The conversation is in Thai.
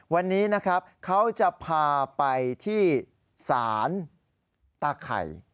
วันนี้นะครับเขาจะพาไปที่ศาลตาไข่